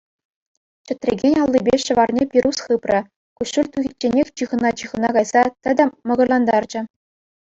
Чӗтрекен аллипе ҫӑварне пирус хыпрӗ, куҫҫуль тухичченех чыхӑна-чыхӑна кайса тӗтӗм мӑкӑрлантарчӗ.